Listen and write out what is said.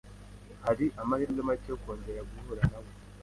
Hari amahirwe make yo kongera guhura nawe